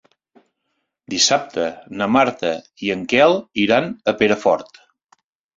Dissabte na Marta i en Quel iran a Perafort.